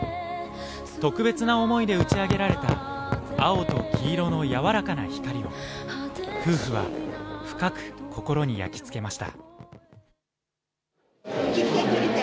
特別な思いで打ち上げられた青と黄色の柔らかな光を夫婦は深く心に焼き付けました。